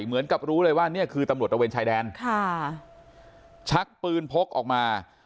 เหมือนกับรู้เลยว่าเนี่ยคือตำรวจตระเวนชายแดนค่ะชักปืนพกออกมา